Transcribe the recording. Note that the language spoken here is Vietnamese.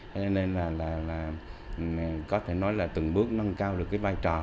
thế cho nên là có thể nói là từng bước nâng cao được cái vai trò